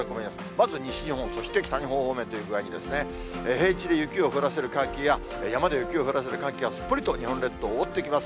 まず西日本、そして北日本方面という具合にですね、平地で雪を降らせる寒気や山で雪を降らせる寒気が、すっぽりと日本列島を覆ってきます。